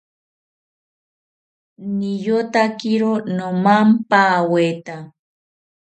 Niyotakiro nomampaweta